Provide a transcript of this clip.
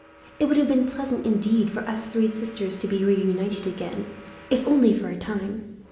It would have been pleasant, indeed, for us three sisters to be reunited again, if only for a time.